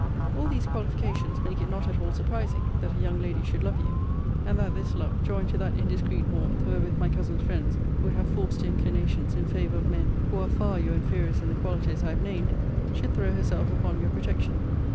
All these qualifications make it not at all surprising that a young lady should love you: and that this love, joined to that indiscreet warmth wherewith my cousin's friends would have forced her inclinations in favour of men who are far your inferiors in the qualities I have named, should throw herself upon your protection.